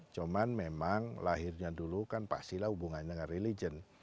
cuman memang lahirnya dulu kan pastilah hubungannya dengan religion